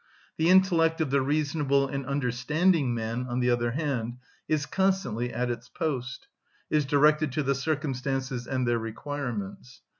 The intellect of the reasonable and understanding man, on the other hand, is constantly at its post, is directed to the circumstances and their requirements.